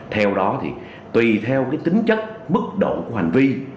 theo đó thì tùy theo cái tính chất mức độ của hành vi